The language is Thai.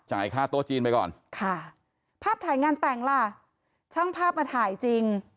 ค่าโต๊ะจีนไปก่อนค่ะภาพถ่ายงานแต่งล่ะช่างภาพมาถ่ายจริง